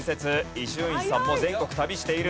伊集院さんも全国旅している。